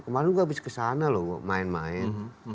kemarin gua habis ke sana loh main main